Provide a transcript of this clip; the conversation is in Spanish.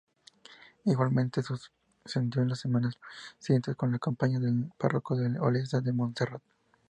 Igualmente sucedió las semanas siguientes con la compañía del párroco de Olesa de Montserrat.